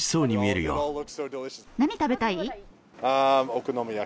何食べたい？